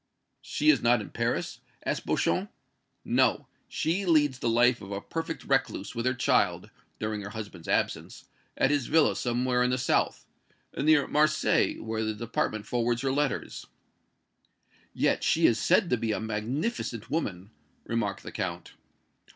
"She is not in Paris?" asked Beauchamp. "No; she leads the life of a perfect recluse with her child, during her husband's absence, at his villa somewhere in the south near Marseilles, where the department forwards her letters." "Yet she is said to be a magnificent woman," remarked the Count.